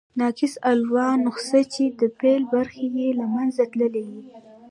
ناقص الاول نسخه، چي د پيل برخي ئې له منځه تللي يي.